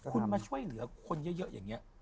คุณมาช่วยเหลือคนเยอะอย่างนี้